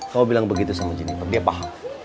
kamu bilang begitu sama jeniper dia paham